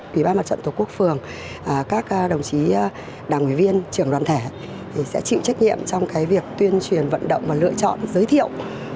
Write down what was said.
ủy ban mặt trận tổ quốc phường các đồng chí đảng ủy viên trưởng đoàn thể sẽ chịu trách nhiệm trong việc tuyên truyền vận động và lựa chọn giới thiệu